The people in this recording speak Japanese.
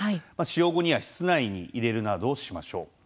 使用後には室内に入れるなどしましょう。